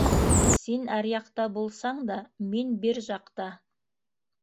Син аръяҡта булсаң да, мин бир жаҡта